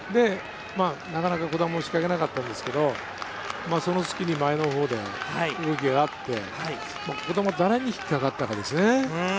なかなか児玉は仕掛けなかったんですが、その隙に前の方で動きがあって、誰に引っかかったかですね。